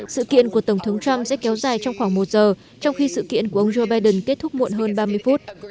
sự kiện của tổng thống trump sẽ kéo dài trong khoảng một giờ trong khi sự kiện của ông joe biden kết thúc muộn hơn ba mươi phút